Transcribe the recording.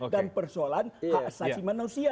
dan persoalan hak asasi manusia